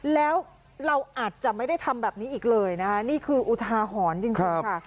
แล้วเราอาจจะไม่ได้ทำแบบนี้อีกเลยนะคะนี่คืออุทาหรณ์จริงค่ะ